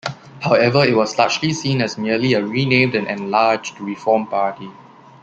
However, it was largely seen as merely a renamed and enlarged Reform Party.